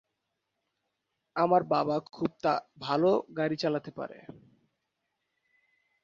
আমার বাবা খুব ভাল গাড়ি চালাতে পারে।